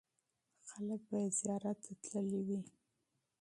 خلکو به یې زیارت ته تللي وي.